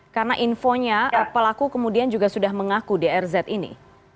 karena infonya pelaku kemudian juga sudah mengaku drz ini